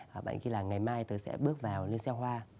bạn ấy kia là ngày mai tớ sẽ bước vào lên xe hoa